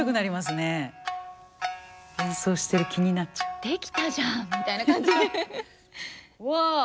すごい！「できたじゃん」みたいな感じ。